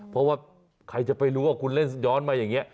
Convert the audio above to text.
เพราะว่าใครจะไปรู้ว่าคุณเล่นย้อนมาอย่างนี้